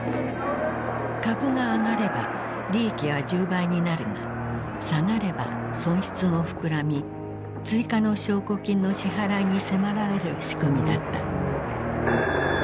株が上がれば利益は１０倍になるが下がれば損失も膨らみ追加の証拠金の支払いに迫られる仕組みだった。